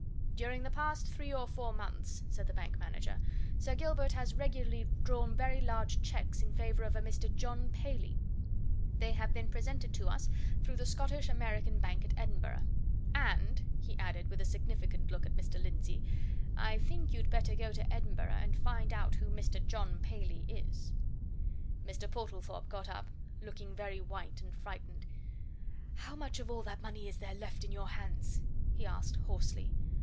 "During the past three or four months," said the bank manager, "Sir Gilbert has regularly drawn very large cheques in favour of a Mr. John Paley. They have been presented to us through the Scottish American Bank at Edinburgh. And," he added, with a significant look at Mr. Lindsey, "I think you'd better go to Edinburgh and find out who Mr. John Paley is." Mr. Portlethorpe got up, looking very white and frightened. "How much of all that money is there left in your hands?" he asked, hoarsely.